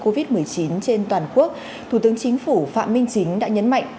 các biện pháp phòng chống dịch covid một mươi chín trên toàn quốc thủ tướng chính phủ phạm minh chính đã nhấn mạnh